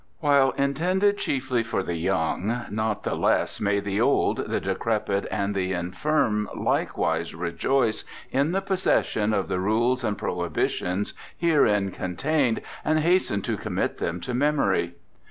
_ _While intended chiefly for the young, not the less may the old, the decrepit, and the infirm like wise rejoice in the possession of the rules and prohibitions herein contained, and hasten to commit them to memory.